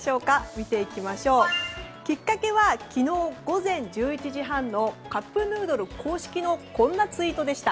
見ていきましょう。きっかけは昨日午前１１時半のカップヌードル公式のこんなツイートでした。